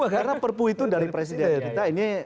karena perpu itu dari presiden